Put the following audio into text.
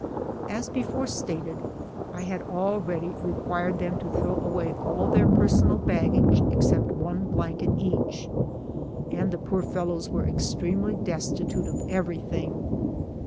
As before stated, I had already required them to throw away all their personal baggage except one blanket each, and the poor fellows were extremely destitute of ev ery thing.